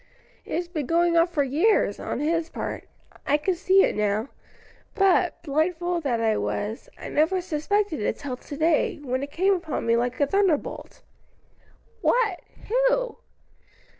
"It has been going on for years on his part I can see it now but, blind fool that I was, I never suspected it till to day, when it came upon me like a thunderbolt." "What? who?"